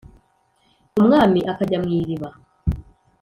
umwami akajya mw'iriba